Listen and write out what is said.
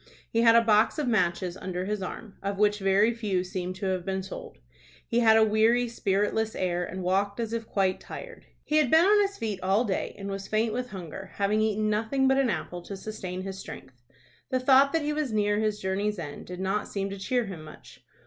He had a box of matches under his arm, of which very few seemed to have been sold. He had a weary, spiritless air, and walked as if quite tired. He had been on his feet all day, and was faint with hunger, having eaten nothing but an apple to sustain his strength. The thought that he was near his journey's end did not seem to cheer him much.